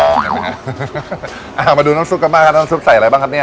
เอามาดูน้ำซุปกันบ้างครับน้ำซุปใส่อะไรบ้างครับเนี่ย